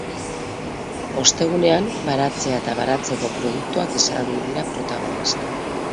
Ostegunean, baratzea eta baratzeko produktuak izan dira protagonista.